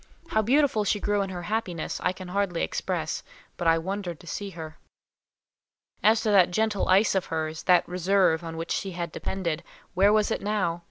How beautiful she grew in her happiness, I can hardly express, but I wondered to see her. As to that gentle ice of hers—that reserve on which she had depended; where was it now?